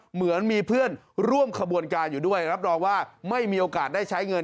เหมือนมีเพื่อนร่วมขบวนการอยู่ด้วยรับรองว่าไม่มีโอกาสได้ใช้เงิน